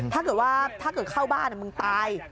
ถ้าเกิดว่าถ้าเกิดเข้าบ้านมึงตาย